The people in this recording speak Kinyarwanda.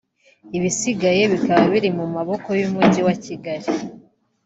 ibisigaye bikaba biri mu maboko y’Umujyi wa Kigali